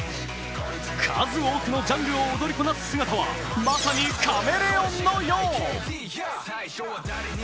数多くのジャンルを踊りこなす姿はまさにカメレオンのよう。